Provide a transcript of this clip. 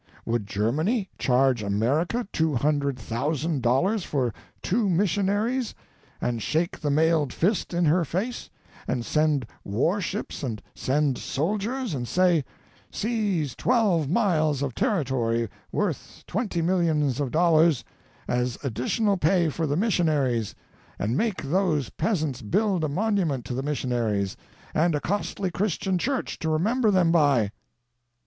Would Germany charge America two hundred thousand dollars for two missiona ries, and shake the mailed fist in her face, and send warships, and send soldiers, and say : 'Seize twelve miles of territory, worth twenty millions of dollars, as additional pay for the missionaries ; and make those peasants build a monument to the missionaries, and a costly Christian church to remember them by?'